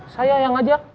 saya yang ngajak